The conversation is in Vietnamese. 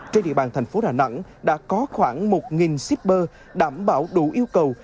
trên địa bàn thành phố đà nẵng đã có khoảng một shipper đảm bảo đủ yêu cầu